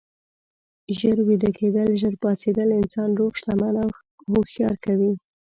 ژر ویده کیدل، ژر پاڅیدل انسان روغ، شتمن او هوښیار کوي.